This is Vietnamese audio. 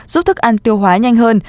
giúp thức ăn tiêu hóa nhanh hơn